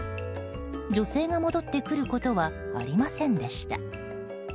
女性が戻ってくることはありませんでした。